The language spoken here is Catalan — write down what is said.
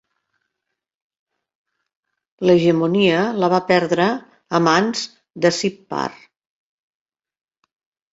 L'hegemonia la va perdre a mans de Sippar.